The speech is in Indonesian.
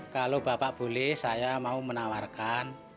kalau bapak boleh saya mau menawarkan